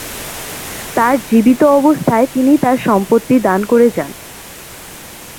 তার জীবিত অবস্থায় তিনি তার সম্পত্তি দান করে যান।